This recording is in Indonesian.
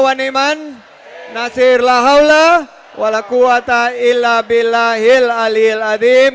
wa'alaikumussalam warahmatullahi wabarakatuh